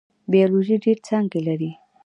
بیولوژي ډیرې څانګې لري